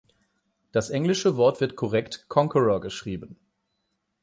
Das englische Wort wird korrekt "Conqueror" geschrieben.